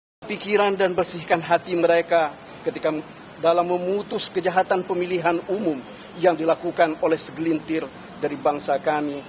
kepikiran dan bersihkan hati mereka ketika dalam memutus kejahatan pemilihan umum yang dilakukan oleh segelintir dari bangsa kami